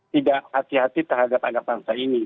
tidak hati hati terhadap anak bangsa ini